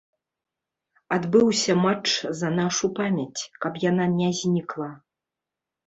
Адбыўся матч за нашу памяць, каб яна не знікла.